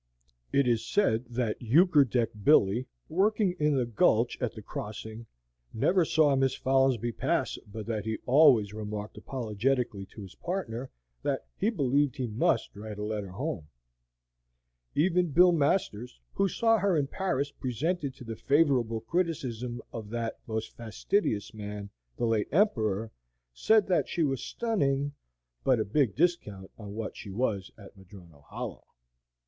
It is said that Euchre deck Billy, working in the gulch at the crossing, never saw Miss Folinsbee pass but that he always remarked apologetically to his partner, that "he believed he MUST write a letter home." Even Bill Masters, who saw her in Paris presented to the favorable criticism of that most fastidious man, the late Emperor, said that she was stunning, but a big discount on what she was at Madrono Hollow.